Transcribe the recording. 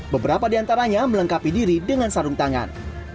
beberapa di antaranya melengkapi diri dengan sarung tangan